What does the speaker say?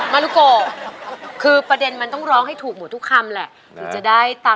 มารุโกคือประเด็นมันต้องร้องให้ถูกหมดทุกคำแหละ